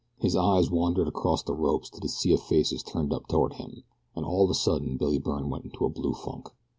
His eyes wandered across the ropes to the sea of faces turned up toward him, and all of a sudden Billy Byrne went into a blue funk.